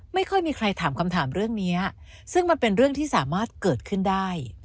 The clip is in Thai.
ไม่ค่อยมีใครถามคำถามเรื่องนี้ซึ่งมันเป็นเรื่องที่สามารถเกิดขึ้นได้